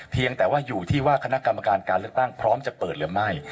เพียงแต่ว่าอยู่ที่ว่าคณะกรรมการการเลือกตั้งพร้อมจะเปิดหรือไม่